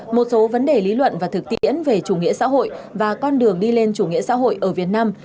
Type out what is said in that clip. một số vấn đề lý luận và thực tiễn về chủ nghĩa xã hội và con đường đi lên chủ nghĩa xã hội ở việt nam